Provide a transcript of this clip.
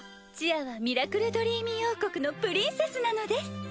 ちあはミラクルドリーミー王国のプリンセスなのです。